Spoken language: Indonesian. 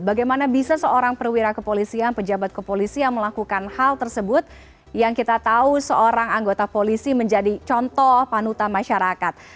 bagaimana bisa seorang perwira kepolisian pejabat kepolisian melakukan hal tersebut yang kita tahu seorang anggota polisi menjadi contoh panutan masyarakat